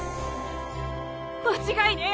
間違いねえ！